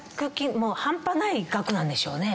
もう半端ない額なんでしょうね。